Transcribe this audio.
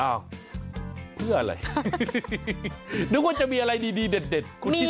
อ้าวเพื่ออะไรนึกว่าจะมีอะไรดีเด็ดคุณที่ถาม